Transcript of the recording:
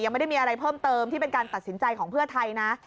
ไม่ได้มีอะไรเพิ่มเติมที่เป็นการตัดสินใจของเพื่อไทยนะ